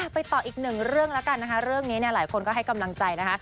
ไปต่ออีกหนึ่งเรื่องแล้วกันนะคะเรื่องนี้เนี่ยหลายคนก็ให้กำลังใจนะคะ